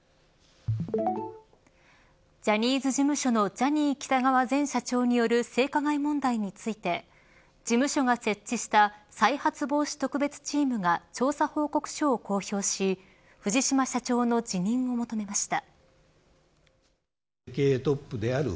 ジャニーズ事務所のジャニー喜多川前社長による性加害問題について事務所が設置した再発防止特別チームが調査報告書を公表し藤島社長の辞任を求めました。